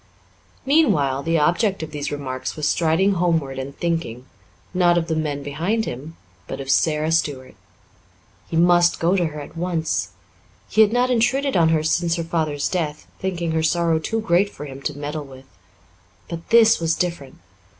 Meanwhile, the object of these remarks was striding homeward and thinking, not of the men behind him, but of Sara Stuart. He must go to her at once. He had not intruded on her since her father's death, thinking her sorrow too great for him to meddle with. But this was different.